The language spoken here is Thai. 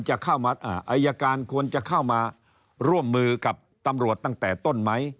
อายการควรจะเข้ามาร่วมมือกับตำรวจตั้งแต่ต้นไหม